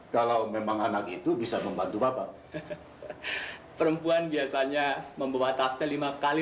kalau memang anak itu bisa membantu bapak perempuan biasanya membawa taste lima kali